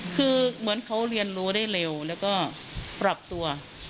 คือเหมือนเขาเรียนรู้ได้เร็วแล้วก็ปรับตัว